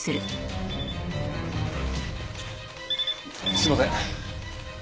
すんません。